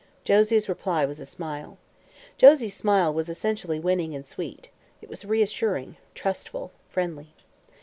Josie's reply was a smile. Josie's smile was essentially winning and sweet. It was reassuring, trustful, friendly.